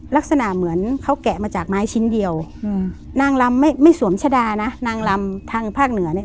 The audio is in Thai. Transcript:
ลักษณะเหมือนเขาแกะมาจากไม้ชิ้นเดียวอืมนางลำไม่ไม่สวมชะดานะนางลำทางภาคเหนือเนี่ย